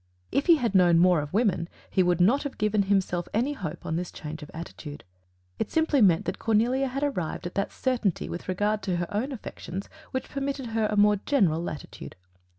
If he had known more of women he would not have given himself any hope on this change of attitude. It simply meant that Cornelia had arrived at that certainty with regard to her own affections which permitted her a more general latitude.